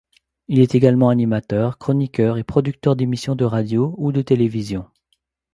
Il est également animateur, chroniqueur et producteur d'émissions de radios ou de télévision.